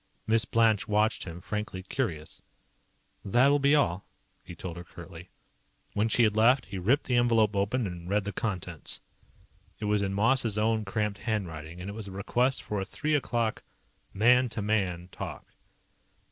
Miss Blanche watched him, frankly curious. "That will be all," he told her curtly. When she had left, he ripped the envelope open and read the contents. It was in Moss's own cramped handwriting, and it was a request for a three o'clock "man to man" talk.